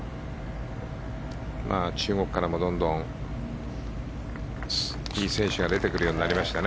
中国からもどんどん、いい選手が出てくるようになりましたね。